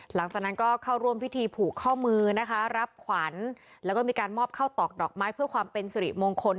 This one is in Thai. หลังจากนั้นก็เข้าร่วมพิธีผูกข้อมือนะคะรับขวัญแล้วก็มีการมอบเข้าตอกดอกไม้เพื่อความเป็นสิริมงคล